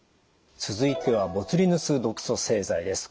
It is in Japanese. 続いてはボツリヌス毒素製剤です。